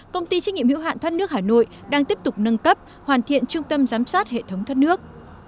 công ty trách nhiệm hữu hạn thoát nước hà nội đang tiếp tục nâng cấp hoàn thiện trung tâm giám sát hệ thống thoát nước